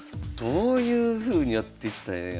どういうふうにやっていったらええんやろう。